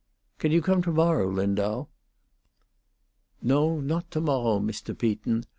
"Can you come to morrow, Lindau?" "No, not to morrow, Mr. Peaton.